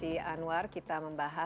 apa yang terjadi